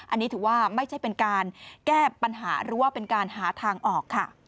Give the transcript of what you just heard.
อันนี้ถือว่าไม่ใช่เป็นการแก้ปัญหาหรือว่าเป็นการหาทางออกค่ะ